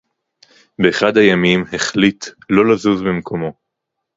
בְּאַחַד הַיָּמִים הֶחְלִיט לֹא לָזוּז מִמְּקוֹמוֹ